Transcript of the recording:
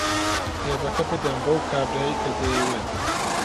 کتێبەکە بدەن بەو کابرایەی کە دەیەوێت.